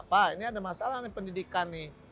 pak ini ada masalah nih pendidikan nih